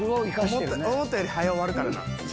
思ったより早終わるから。